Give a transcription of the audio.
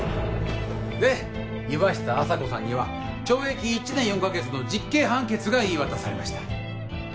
・で岩下亜沙子さんには懲役１年４ヵ月の実刑判決が言い渡されました